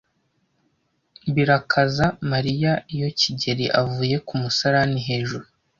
Birakaza Mariya iyo kigeli avuye ku musarani hejuru.